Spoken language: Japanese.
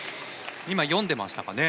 今、読んでましたかね？